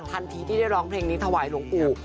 ทันทีที่ได้ร้องเพลงนี้ถวายหลวงปู่